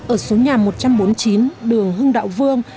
ở số nhà một trăm bốn mươi chín đường hưng đạo vương